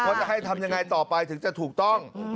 จะให้ทำยังไงต่อไปถึงจะถูกต้อง